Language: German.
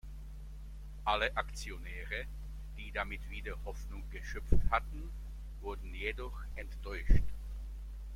Alle Aktionäre, die damit wieder Hoffnung geschöpft hatten, wurden jedoch enttäuscht.